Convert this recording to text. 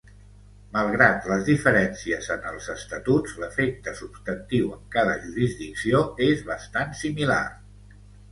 Malgrat les diferències en els estatuts, l'efecte substantiu en cada jurisdicció és bastant similar.